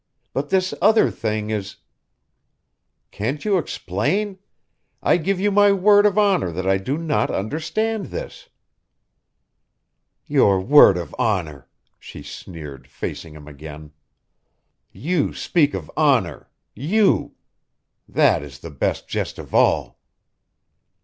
But this other thing is " "Can't you explain? I give you my word of honor that I do not understand this." "Your word of honor!" she sneered, facing him again. "You speak of honor you? That is the best jest of all!"